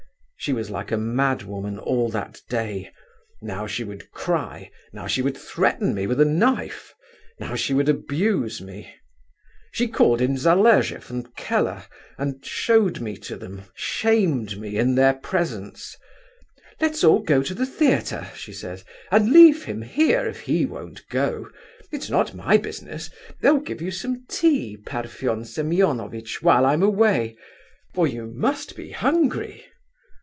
She was like a madwoman all that day; now she would cry; now she would threaten me with a knife; now she would abuse me. She called in Zaleshoff and Keller, and showed me to them, shamed me in their presence. 'Let's all go to the theatre,' she says, 'and leave him here if he won't go—it's not my business. They'll give you some tea, Parfen Semeonovitch, while I am away, for you must be hungry.